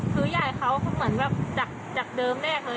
คือยายเขาเหมือนแบบจากเดิมแรกเลย